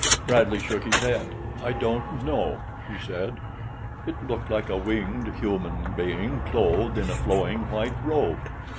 Bradley shook his head. "I don't know," he said. "It looked like a winged human being clothed in a flowing white robe.